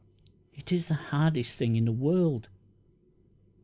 It is the hardest thing in the world!"